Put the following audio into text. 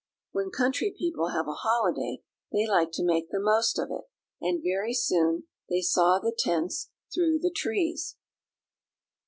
When country people have a holiday, they like to make the most of it; and very soon they saw the tents through the trees.